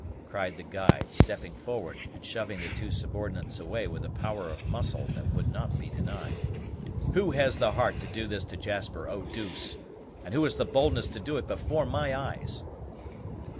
cried the guide, stepping forward and shoving the two subordinates away with a power of muscle that would not be denied. "Who has the heart to do this to Jasper Eau douce? And who has the boldness to do it before my eyes?"